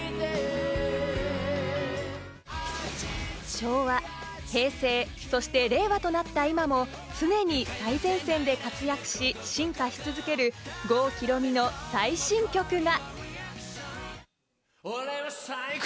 昭和、平成、そして令和となった今も常に最前線で活躍し、進化し続ける郷ひろみの最新曲が。